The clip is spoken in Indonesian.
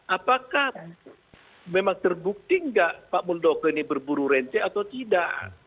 apakah memang terbukti nggak pak muldoko ini berburu rente atau tidak